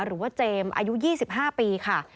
หรือว่าเจมส์อายุ๒๕ปีค่ะ